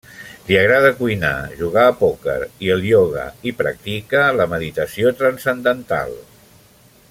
Li agrada cuinar, jugar a pòquer, i el ioga, i practica la meditació transcendental.